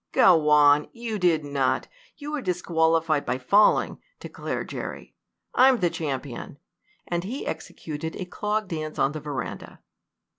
"Go on! You did not! You were disqualified by falling!" declared Jerry. "I'm the champion!" and he executed a clog dance on the veranda.